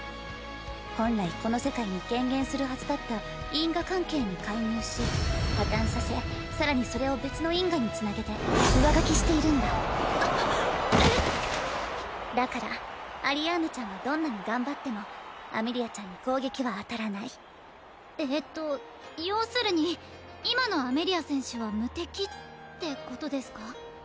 本来この世界に顕現するはずだった因果関係に介入し破綻させさらにそれを別の因果につなげて上書きしているんだだからアリアーヌちゃんがどんなに頑張ってもアメリアちゃんに攻撃は当たらないえっと要するに今のアメリア選手は無敵ってことですか？